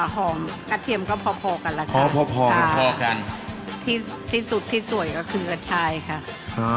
หอมกระเทียมก็พอกันล่ะค่ะที่สุดที่สวยก็คือกระทายค่ะ